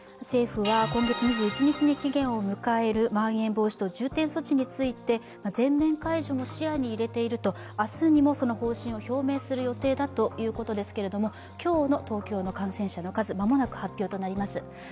政府は今月２１日に期限を迎えるまん延防止等重点措置について全面解除も視野に入れていると明日にも、その方針を表明する予定だということですけれども、今日の東京の感染者の数、間もなく発表となります。